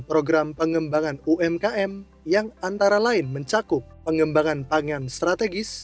program pengembangan umkm yang antara lain mencakup pengembangan pangan strategis